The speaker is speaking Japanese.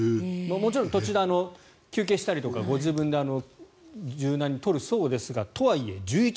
もちろん途中で休憩したりとかご自分で柔軟に取るそうですがとはいえ１１